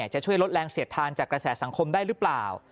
จะช่วยลดแรงเสียดทานจากกระแสสังคมได้หรือเปล่า